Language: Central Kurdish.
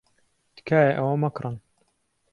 تکایە ئەوە مەکڕن.